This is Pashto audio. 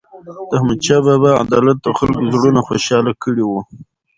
د احمدشاه بابا عدالت د خلکو زړونه خوشحال کړي وو.